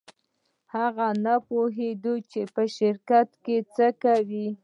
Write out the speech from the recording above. هغه نه پوهېده چې په شرکت کې څه کوي.